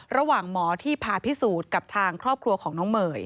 ระหว่างหมอที่ผ่าพิสูจน์กับทางครอบครัวของน้องเมย์